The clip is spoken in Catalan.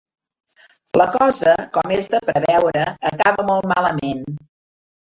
La cosa, com és de preveure, acaba molt malament.